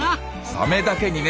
サメだけにね！